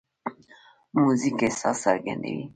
موزیک احساس څرګندوي.